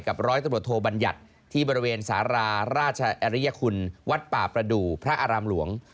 ร้อยตำรวจโทบัญญัติที่บริเวณสาราราชอริยคุณวัดป่าประดูกพระอารามหลวง